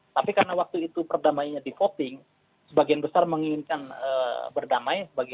tapi karena waktu itu perdamaiannya di voting sebagian besar menginginkan berdamai